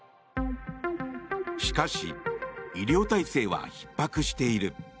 しかし医療体制はひっ迫している。